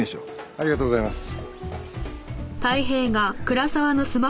ありがとうございます。